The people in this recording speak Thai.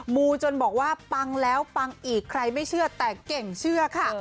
มูจนบอกว่าปังแล้วปังอีกใครไม่เชื่อแต่เก่งเชื่อค่ะ